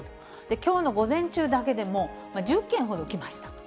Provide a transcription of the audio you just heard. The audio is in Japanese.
きょうの午前中だけでも１０件ほど来ました。